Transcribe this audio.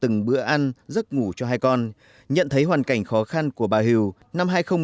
trong bữa ăn giấc ngủ cho hai con nhận thấy hoàn cảnh khó khăn của bà hiều năm hai nghìn một mươi bốn